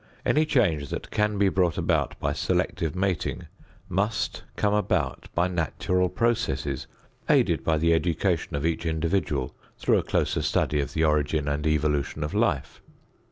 Any change that can be brought about by selective mating must come by natural processes aided by the education of each individual through a closer study of the origin and evolution of life.